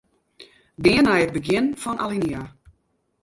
Gean nei it begjin fan alinea.